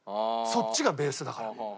そっちがベースだから。